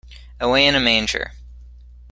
Away in a Manger.